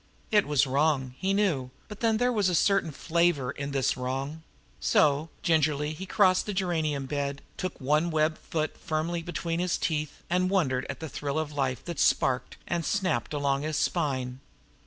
It was wrong, he knew, but then there was a certain flavor in this wrong; so, gingerly, he crossed the geranium bed, took one web foot firmly between his teeth, and wondered at the thrill of life that sparked and snapped along his spine.